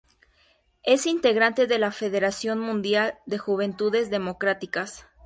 Es integrante de la Federación Mundial de Juventudes Democráticas.